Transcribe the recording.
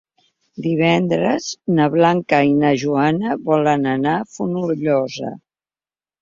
Divendres na Blanca i na Joana volen anar a Fonollosa.